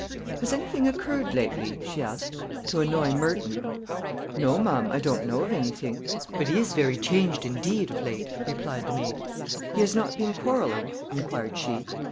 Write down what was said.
"Has anything occurred lately," she asked, "to annoy Merton?" "No, ma'am, I don't know of anything; but he is very changed, indeed, of late," replied the maid. "He has not been quarreling?" inquired she.